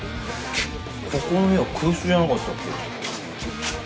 ここの部屋空室じゃなかったっけ？